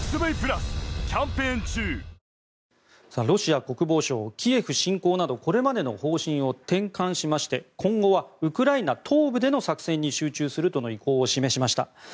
ロシア国防省キエフ侵攻などこれまでの方針を転換して今後はウクライナ東部での作戦に集中するとの意向を示しました。